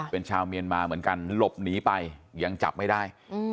เป็นชาวเมียนมาเหมือนกันหลบหนีไปยังจับไม่ได้